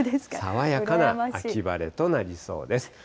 爽やかな秋晴れとなりそうです。